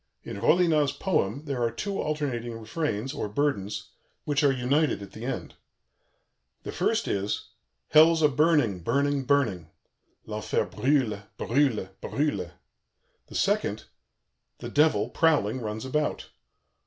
In Rollinat's poem there are two alternating refrains, or burdens, which are united at the end. The first is: "Hell's a burning, burning, burning." (L'enfer brûle, brûle, brûle.) the second: "The Devil, prowling, runs about."